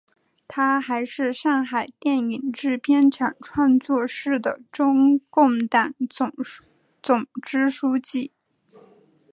她还是上海电影制片厂创作室的中共党总支书记。